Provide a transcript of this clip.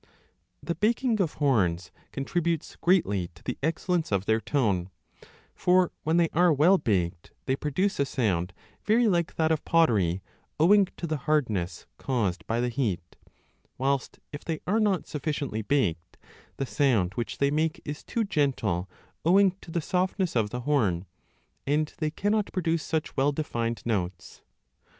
The baking of horns contributes greatly to the excellence 8oa b of their tone ; for, when they are well baked, they produce a sound very like that of pottery, owing to the hardness caused by the heat ; whilst, if they are not sufficiently baked, the sound which they make is too gentle owing to the softness of the horn, and they cannot produce such 5 well defined notes.